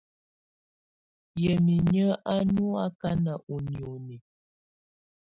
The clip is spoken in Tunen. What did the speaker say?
Yamɛ̀á inyǝ́ á nɔ̀ akana ù nioni.